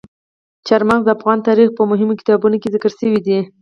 چار مغز د افغان تاریخ په مهمو کتابونو کې ذکر شوي دي.